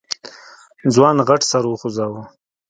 ځوان غټ سر وخوځوه.